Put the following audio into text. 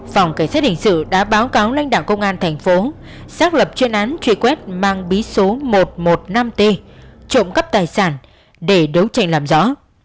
phòng cảnh sát hình sự đã báo cáo lãnh đạo công an thành phố xác lập chuyên án truy quét mang bí số một trăm một mươi năm t trộm cắp tài sản để đấu tranh làm rõ